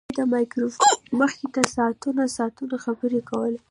هغه د مایکروفون مخې ته ساعتونه ساعتونه خبرې کولې